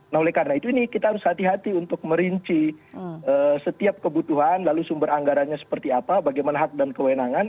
nah oleh karena itu ini kita harus hati hati untuk merinci setiap kebutuhan lalu sumber anggarannya seperti apa bagaimana hak dan kewenangan